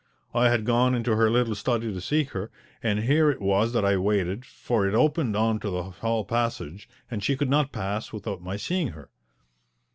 I had gone into her little study to seek her, and here it was that I waited, for it opened on to the hall passage, and she could not pass without my seeing her.